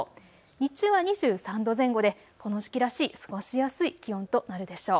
日中は２３度前後でこの時期らしい過ごしやすい気温となるでしょう。